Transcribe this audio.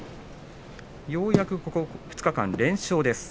ようやくここ２日間、連勝です。